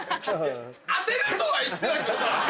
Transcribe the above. あてるとは言ってたけどさ。